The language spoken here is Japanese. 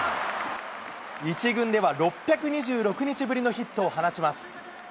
１軍では６２６日ぶりのヒットを放ちます。